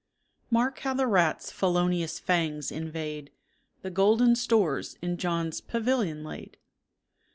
Mark how the rat's felonious fangs invade The golden stores in John's pavilion laid.